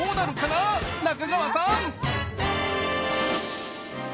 仲川さん！